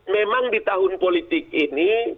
memang di tahun politik ini